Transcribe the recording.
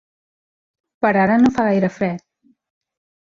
Per ara no fa gaire fred.